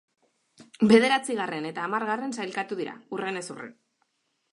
Bederatzigarren eta hamargarren sailkatu dira, hurrenez hurren.